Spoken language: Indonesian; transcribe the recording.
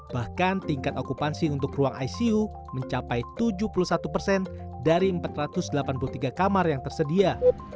bahkan tingkat okupansi untuk ruang icu mencapai tujuh puluh satu persen dari empat ratus delapan puluh tiga kamar yang tersedia